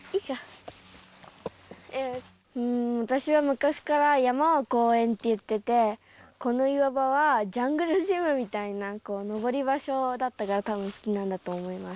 私は昔から山は公園と言って、この岩場はジャングルジムみたいな、登り場所だったから、たぶん好きなんだと思います。